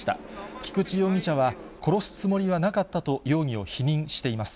菊池容疑者は、殺すつもりはなかったと容疑を否認しています。